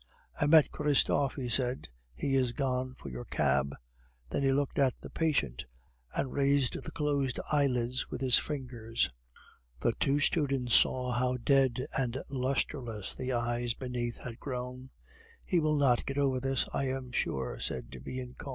"I met Christophe," he said; "he is gone for your cab." Then he looked at the patient, and raised the closed eyelids with his fingers. The two students saw how dead and lustreless the eyes beneath had grown. "He will not get over this, I am sure," said Bianchon.